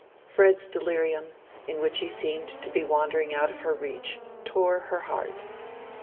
Fred's delirium, in which he seemed to be wandering out of her reach, tore her heart.